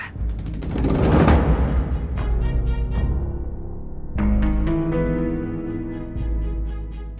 apa yang kamu mau katakan sama nino